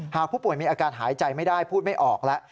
หากผู้ป่วยมีอาการหายใจไม่ได้พูดไม่ออกแล้ว